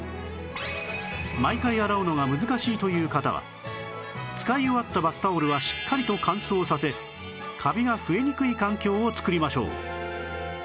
毎回洗うのが難しいという方は使い終わったバスタオルはしっかりと乾燥させカビが増えにくい環境を作りましょう